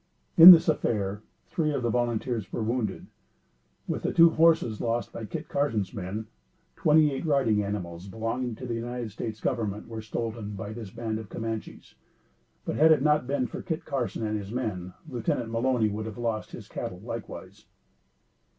In this affair three of the volunteers were wounded. With the two horses lost by Kit Carson's men, twenty eight riding animals, belonging to the United States government, were stolen by this band of Camanches. But, had it not been for Kit Carson and his men, Lieutenant Mulony would have lost his cattle likewise.